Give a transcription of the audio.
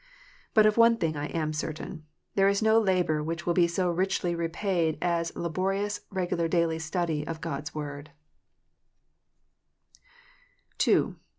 But of one thing I am certain : there is no labour which will be so richly repaid as laborious regular daily study of God s Word.